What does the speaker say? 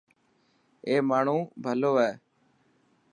اي ماڻهو ڀلو هي.